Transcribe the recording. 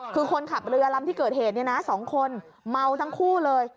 คือคนขับเรือลำที่เกิดเหตุเนี่ยนะ๒คนเมาทั้งคู่เลย